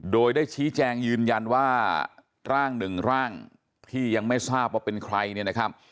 โดยได้ชี้แจงยืนยันว่าร่างหนึ่งร่างที่ยังไม่ทราบว่าเป็นใครเนี่ยนะครับ